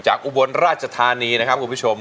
อุบลราชธานีนะครับคุณผู้ชม